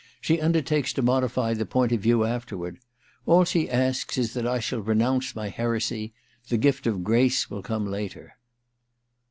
She undertakes to modify the point of view after ward. All she asks is that I shall renounce my heresy : the gift of grace will come later.'